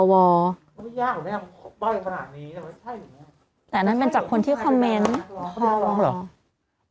ไม่ยากแน่งบ้อยขนาดนี้แต่มันเป็นจากคนที่คอมเมนต์พอวอร์